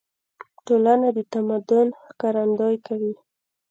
ټولنه د تمدن ښکارندويي کوي.